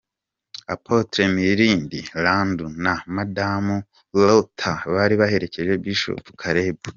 Apotre Mirindi Randou na Madamu Rutha bari baherekeje Bishop Karebu.